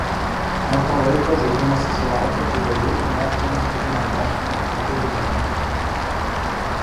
Nuo to laiko žaidimas sulaukia įvairių mokamų ir nemokamų papildymų.